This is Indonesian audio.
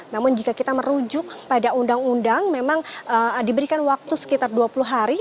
namun jika kita merujuk pada undang undang memang diberikan waktu sekitar dua puluh hari